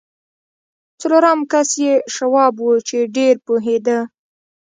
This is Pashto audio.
څلورم کس یې شواب و چې ډېر پوهېده